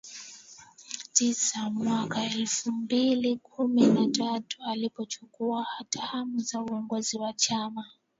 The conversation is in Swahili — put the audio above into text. tisa hmwaka elfu mbili na kumi na tatu alipochukua hatamu za uongozi wa chama